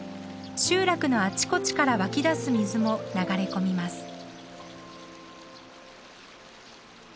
集落のあちこちから湧き出す水も流れ込みます。